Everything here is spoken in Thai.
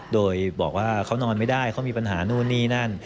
โดยบอกว่าเขานอนไม่ได้เขามีปัญหานู่นนี่นั่น